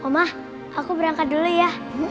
omah aku berangkat dulu ya